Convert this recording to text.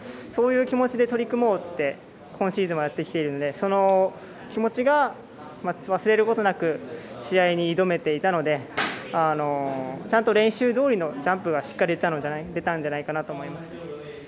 そういう気持ちで取り組もうって今シーズンはやってきているので、その気持ちを忘れることなく試合に挑めていたので、ちゃんと練習通りのジャンプがしっかりできたんじゃないかと思います。